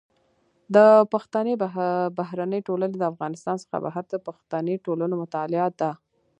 د پښتني بهرنۍ ټولنه د افغانستان څخه بهر د پښتني ټولنو مطالعه ده.